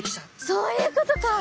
そういうことか！